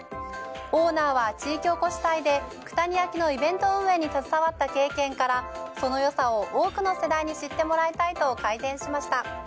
オーナーは地域おこし隊で九谷焼のイベント運営に携わった経験から、その良さを多くの世代に知ってもらいたいと開店しました。